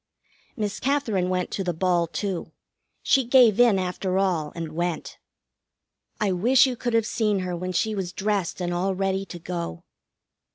Miss Katherine went to the ball, too. She gave in, after all, and went. I wish you could have seen her when she was dressed and all ready to go.